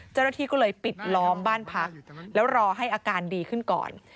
เจ้าหน้าที่ก็เลยปิดล้อมบ้านพักแล้วรอให้อาการดีขึ้นก่อน